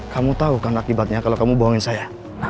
kamu tahu kan akibatnya kalau kamu bohongin saya